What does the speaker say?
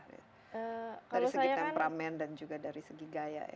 dari segi temperamen dan juga dari segi gaya